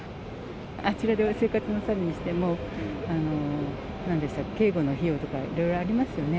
あちらで生活なさるにしても、なんでしたっけ、警護の費用とか、いろいろありますよね。